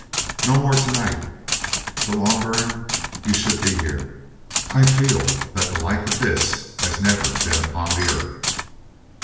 "No more to night. But, Loughburne, you should be here; I feel that the like of this has never been upon the earth.